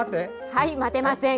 はい、待てません。